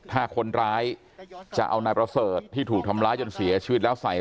ถ้าคนร้ายจะเอานายประเสริฐที่ถูกทำร้ายจนเสียชีวิตแล้วใส่